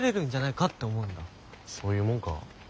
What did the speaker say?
そういうもんか？